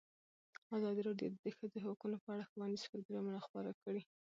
ازادي راډیو د د ښځو حقونه په اړه ښوونیز پروګرامونه خپاره کړي.